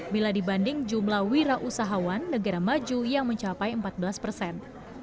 bila dibanding jumlah wira usahawan negara maju yang mencapai empat belas persen